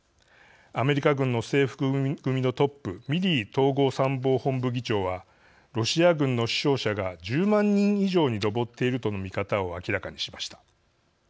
アメリカ軍の制服組のトップミリー統合参謀本部議長はロシア軍の死傷者が１０万人以上に上っているとの見方を明らかにしました。